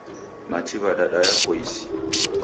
Machi wadadaya koisi.